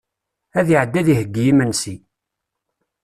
Ad iɛeddi ad iheyyi imensi.